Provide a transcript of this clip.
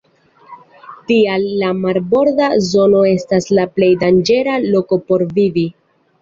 Tial la marborda zono estas la plej danĝera loko por vivi.